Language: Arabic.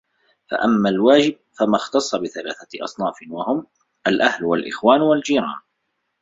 فَأَمَّا الْوَاجِبُ فَمَا اخْتَصَّ بِثَلَاثَةِ أَصْنَافٍ وَهُمْ الْأَهْلُ وَالْإِخْوَانُ وَالْجِيرَانُ